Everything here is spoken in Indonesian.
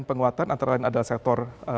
penguatan antara lain ada sektor